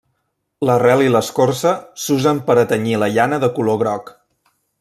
L'arrel i l'escorça s'usen per a tenyir la llana de color groc.